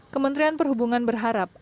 kementerian perhubungan berharap